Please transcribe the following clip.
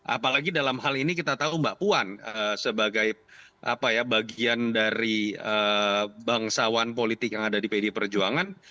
apalagi dalam hal ini kita tahu mbak puan sebagai bagian dari bangsawan politik yang ada di pd perjuangan